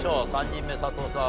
３人目佐藤さん